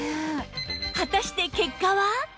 果たして結果は？